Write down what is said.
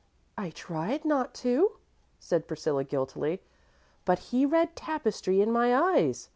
"I tried not to," said Priscilla, guiltily, "but he read 'tapestry' in my eyes.